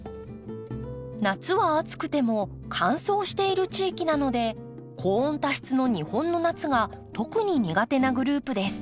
夏は暑くても乾燥している地域なので高温多湿の日本の夏が特に苦手なグループです。